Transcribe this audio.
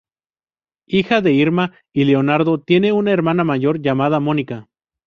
Hija de Irma y Leonardo, tiene una hermana mayor llamada Mónica.